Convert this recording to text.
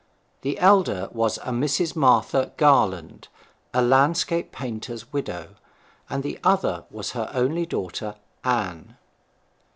The elder was a Mrs. Martha Garland, a landscape painter's widow, and the other was her only daughter Anne.